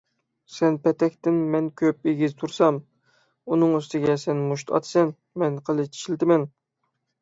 سەن پەتەكتىن مەن كۆپ ئېگىز تۇرسام، ئۇنىڭ ئۈستىگە سەن مۇشت ئاتىسەن، مەن قىلىچ ئىشلىتىمەن.